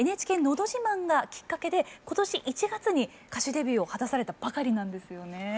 「ＮＨＫのど自慢」がきっかけで今年１月に歌手デビューを果たされたばかりなんですよね。